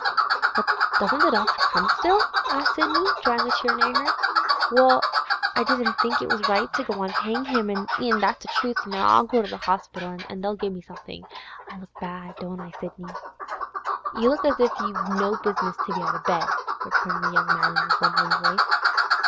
'But doesn't the doctor come still?' asked Sidney, drawing a chair near to her. 'Well, I didn't think it was right to go on payin' him, an' that's the truth. I'll go to the Orspital, an' they'll give me somethin'. I look bad, don't I, Sidney?' 'You look as if you'd no business to be out of bed,' returned the young man in a grumbling voice.